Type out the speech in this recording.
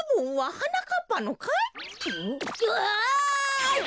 うわ！